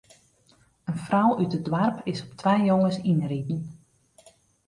In frou út it doarp is op twa jonges ynriden.